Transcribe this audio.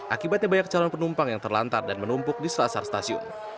akibatnya banyak calon penumpang yang terlantar dan menumpuk di selasar stasiun